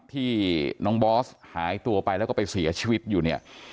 ที่น้องบอสหายตัวไปแล้วก็ไปเสียชีวิตอยู่เนี่ย